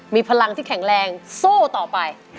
มีพลังที่แข็งแรงสู้ต่อไป